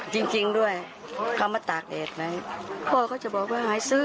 จริงจริงด้วยเขามาตากแดดไหมพ่อเขาจะบอกว่าให้ซื้อ